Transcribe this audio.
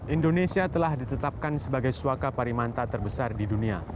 indonesia telah ditetapkan sebagai suaka parimanta terbesar di dunia